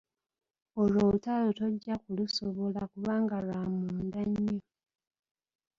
Olwo olutalo tojja kulusobola kubanga lwa munda nnyo.